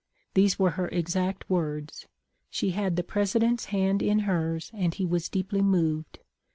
These were her exact words. She had the President's hand in hers, and he was deeply moved.